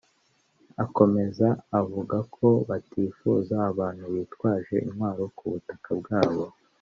Akomeza avuga ko batifuza abantu bitwaje intwaro ku butaka bwabo